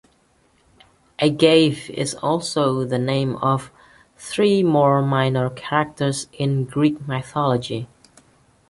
Agave is also the name of three more minor characters in Greek mythology.